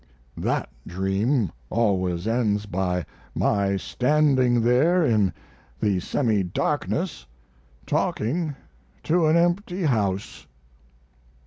That dream always ends by my standing there in the semidarkness talking to an empty house.